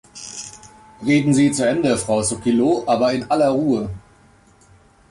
Reden Sie zu Ende, Frau Sauquillo, aber in aller Ruhe.